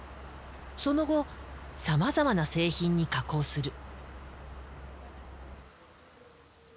その後さまざまな製品に加工する。